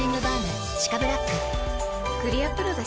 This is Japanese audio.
クリアプロだＣ。